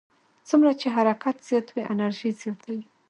څومره چې حرکت زیات وي انرژي زیاته وي.